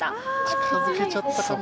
近づけちゃったかな。